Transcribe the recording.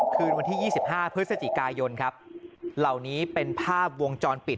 คืนวันที่๒๕พฤศจิกายนครับเหล่านี้เป็นภาพวงจรปิด